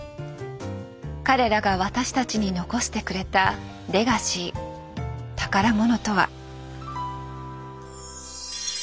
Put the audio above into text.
彼らが私たちに残してくれたレガシー宝物とは。